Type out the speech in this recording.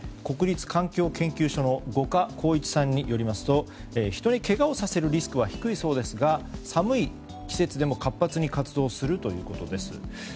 国立環境研究所の五箇公一さんによりますと人にけがをさせるリスクは低いそうですが寒い季節でも活発に活動するということです。